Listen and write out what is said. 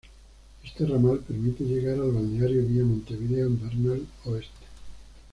Este ramal permite llegar al balneario vía Montevideo en Bernal Oeste.